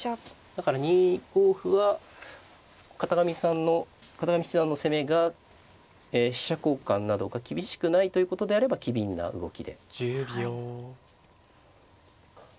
だから２五歩は片上さんの片上七段の攻めが飛車交換などが厳しくないということであれば機敏な動きで。